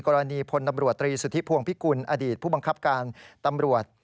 กรณีพลตำรวจตรีสุทธิพวงพิกุลอดีตผู้บังคับการตำรวจ